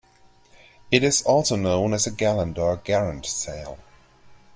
It is also known as a gallant or garrant sail.